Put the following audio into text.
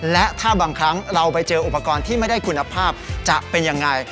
และถ้าบางครั้งเราไปเจออุปกรณ์ที่ไม่ได้คุณภาพจะเป็นยังไง